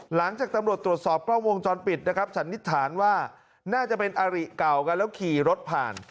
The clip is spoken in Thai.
หลังจากตำรวจตรวจสอบกล้องวงจรปิดนะครับสันนิษฐานว่าน่าจะเป็นอาริเก่ากันแล้วขี่รถผ่าน